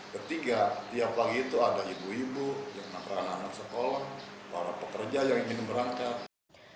ketiga tiap pagi itu ada ibu ibu yang melakukan sekolah para pekerja yang ingin berangkat